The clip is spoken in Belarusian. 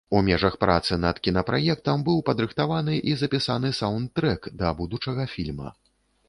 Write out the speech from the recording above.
У межах працы над кінапраектам быў падрыхтаваны і запісаны саўндтрэк да будучага фільма.